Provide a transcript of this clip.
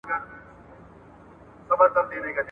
د کابل هرې کوڅې کې ستا اواز و